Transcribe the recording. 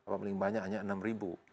paling banyak hanya enam ribu